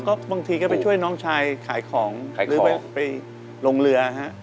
ก็บางทีก็ไปช่วยน้องชายขายของหรือไปลงเรือฮะ